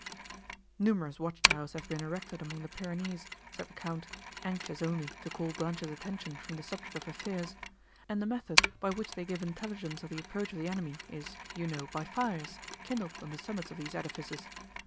"Numerous watch towers have been erected among the Pyrenees," said the Count, anxious only to call Blanche's attention from the subject of her fears; "and the method, by which they give intelligence of the approach of the enemy, is, you know, by fires, kindled on the summits of these edifices.